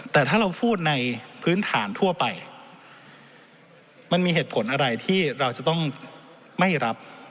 แต่ถ้าเราพูดในพื้นฐานทั่วไปมันมีเหตุผลอะไรที่เราจะต้องไม่รับ